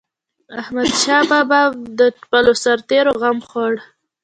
احمدشاه بابا به د خپلو سرتيرو غم خوړ.